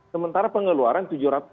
sementara pengeluaran tujuh ratus lima puluh